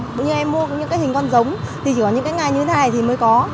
nhưng em mua những cái hình con giống thì chỉ có những cái ngày như thế này thì mới có